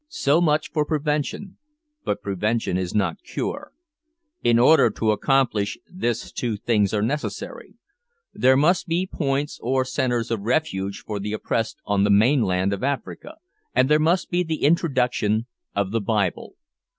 So much for prevention, but prevention is not cure. In order to accomplish this two things are necessary. There must be points or centres of refuge for the oppressed on the mainland of Africa, and there must be the introduction of the Bible.